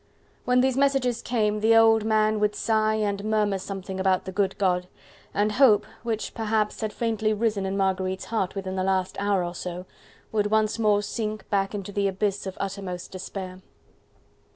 When these messages came, the old man would sigh and murmur something about the good God: and hope, which perhaps had faintly risen in Marguerite's heart within the last hour or so, would once more sink back into the abyss of uttermost despair.